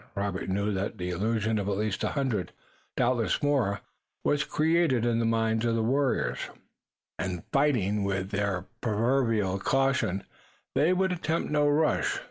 Robert knew that the illusion of at least a hundred, doubtless more, was created in the minds of the warriors, and, fighting with their proverbial caution, they would attempt no rush.